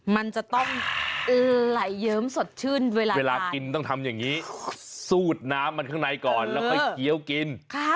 มันจะต้องไหลเยิ้มสดชื่นเวลาเวลากินต้องทำอย่างนี้สูดน้ำมันข้างในก่อนแล้วค่อยเคี้ยวกิน